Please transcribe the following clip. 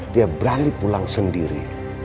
dia berani pulang sendiri